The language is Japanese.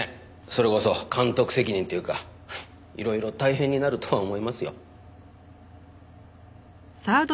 それこそ監督責任っていうかいろいろ大変になるとは思いますよ。